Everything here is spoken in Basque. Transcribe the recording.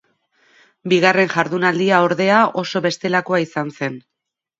Bigarren jardunaldia ordea oso bestelakoa izan zen.